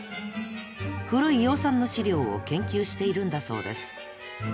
古い養蚕の資料を研究しているんだそうです。